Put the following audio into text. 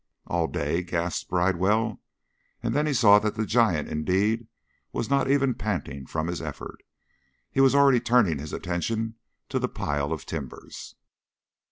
"All day?" gasped Bridewell, and then he saw that the giant, indeed, was not even panting from his effort. He was already turning his attention to the pile of timbers.